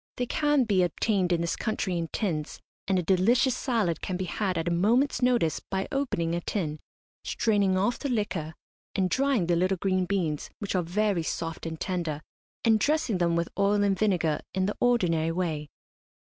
They can be obtained in this country in tins, and a delicious salad can be had at a moment's notice by opening a tin, straining off the liquor, and drying the little green beans, which are very soft and tender, and dressing them with oil and vinegar, in the ordinary way.